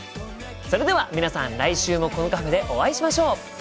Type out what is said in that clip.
それでは皆さん来週もこのカフェでお会いしましょう！